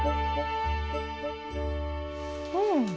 うん。